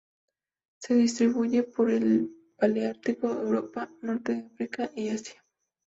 Se distribuye por el paleártico: Europa, norte de África y Asia.